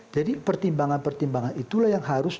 jadi pertimbangan pertimbangan itulah yang harus